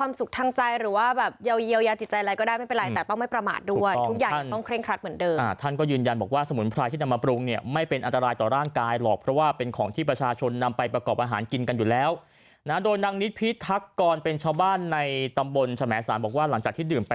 มันก็ไม่มีผลอะไรแต่ว่ายานี้เป็นช่วยในเรื่องของกำลังใจมากกว่า